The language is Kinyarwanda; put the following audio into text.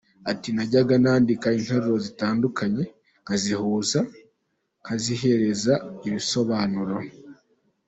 Ati Najyaga nandika nk’interuro zitandukanye. Nkazihuza Nkazihereza ibisobanuro.